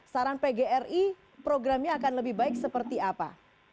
saran pgri programnya akan lebih baik seperti apa